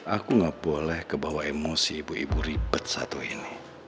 aku nggak boleh kebawa emosi ibu ibu ribet satu ini